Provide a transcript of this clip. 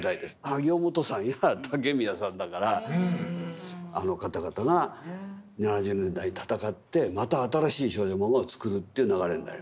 萩尾望都さんや竹宮さんだからあの方々が７０年代に戦ってまた新しい少女漫画をつくるっていう流れになります。